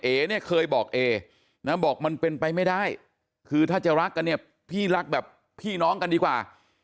เอเนี่ยเคยบอกเอนะบอกมันเป็นไปไม่ได้คือถ้าจะรักกันเนี่ยพี่รักแบบพี่น้องกันดีกว่า